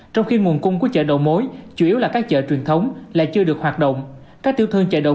trong khi nguồn cung của chợ đồ mối chủ yếu là các chợ truyền thống lại chưa được hoạt động